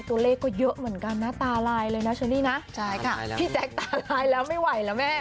ตัวเลขก็เยอะเหมือนกันนะตาลายเลยนะเชอรี่นะใช่ค่ะพี่แจ๊คตาลายแล้วไม่ไหวแล้วแม่